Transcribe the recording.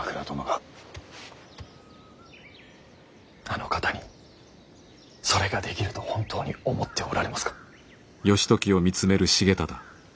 あの方にそれができると本当に思っておられますか？